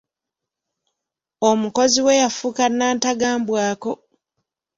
Omukozi we yafuuka nantagambwako.